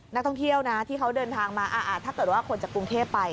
นักท่องเที่ยวนะที่เขาเดินทางมาถ้าเกิดว่าคนจากกรุงเทพไป